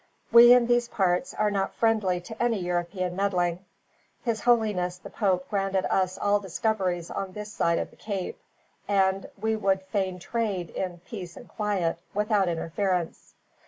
We in these parts are not friendly to any European meddling. His Holiness the pope granted us all discoveries on this side of the Cape, and we would fain trade in peace and quiet, without interference.